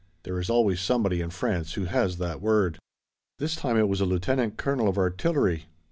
There is always somebody in France who has that word. This time it was a lieutenant colonel of artillery.